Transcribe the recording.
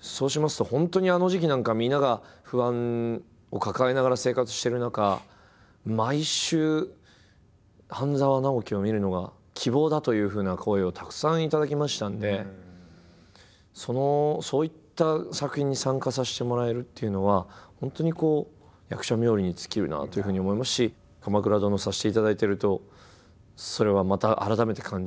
そうしますと本当にあの時期なんかはみんなが不安を抱えながら生活してる中毎週「半沢直樹」を見るのが希望だというふうな声をたくさん頂きましたのでそういった作品に参加させてもらえるっていうのは本当に役者冥利に尽きるなというふうに思いますし「鎌倉殿」をさせていただいているとそれはまた改めて感じるとこでしたね。